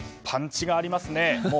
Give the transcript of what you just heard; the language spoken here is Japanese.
パンチがありますね。